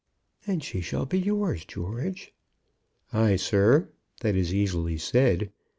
"And she shall be yours, George." "Ay, sir, that is easily said.